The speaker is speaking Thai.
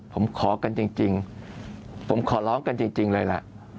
ผมขอกันจริงผมขอร้องกันจริงเลยล่ะ